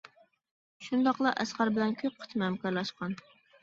شۇنداقلا ئەسقەر بىلەن كۆپ قېتىم ھەمكارلاشقان.